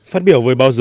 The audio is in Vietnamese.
phát biểu với báo giới